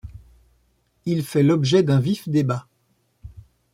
Il fait l'objet d'un vif débat.